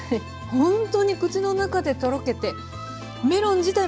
ほんとに口の中でとろけてメロン自体